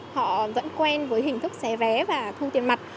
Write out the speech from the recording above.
họ vẫn quen với hình thức xe vé và thông tiền mặt